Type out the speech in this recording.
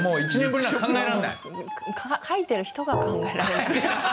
書いてる人が考えられない。